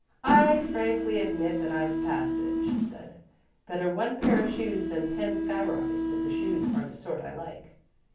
"I frankly admit that I've passed it," she said. "Better one pair of shoes than ten sky rockets, if the shoes are the sort I like."